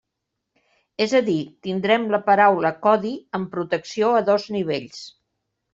És a dir, tindrem la paraula codi amb protecció a dos nivells.